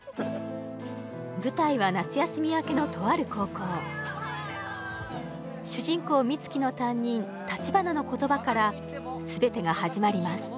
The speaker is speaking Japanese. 舞台は夏休み明けのとある高校主人公美月の担任立花の言葉からすべてが始まります